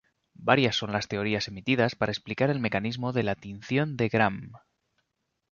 Varias son las teorías emitidas para explicar el mecanismo de la tinción de Gram.